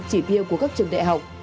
chín mươi chỉ tiêu của các trường đại học